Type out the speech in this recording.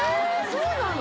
そうなの？